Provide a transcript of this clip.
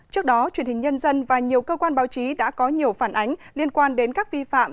trước đó truyền hình nhân dân và nhiều cơ quan báo chí đã có nhiều phản ánh liên quan đến các vi phạm